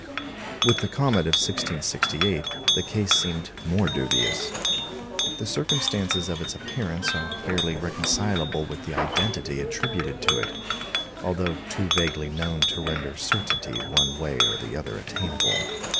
With the comet of 1668 the case seemed more dubious. The circumstances of its appearance are barely reconcilable with the identity attributed to it, although too vaguely known to render certainty one way or the other attainable.